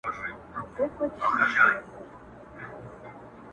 • نوي نوي تختې غواړي قاسم یاره,